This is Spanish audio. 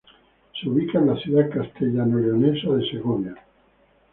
Se ubica en la ciudad castellanoleonesa de Segovia.